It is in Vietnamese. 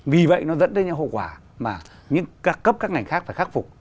vì vậy nó dẫn đến những hậu quả mà những cấp các ngành khác phải khắc phục